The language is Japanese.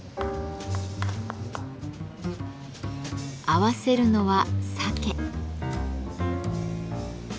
合わせるのは鮭。